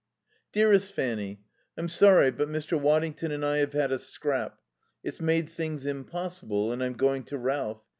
4 "Dearest Fanny: "I'm sorry, but Mr. Waddington and I have had a scrap. It's made things impossible, and I'm going to Ralph.